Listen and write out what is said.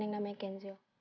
kami gak mikirkan